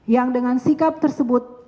yang dengan sikap tersebut